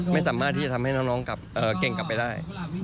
ไม่สามารถที่จะทำให้น้องเก่งกลับไปได้